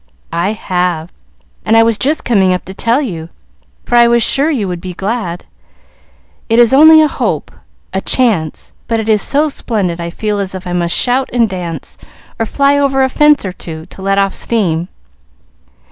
"I have, and was just coming up to tell you, for I was sure you would be glad. It is only a hope, a chance, but it is so splendid I feel as if I must shout and dance, or fly over a fence or two, to let off steam."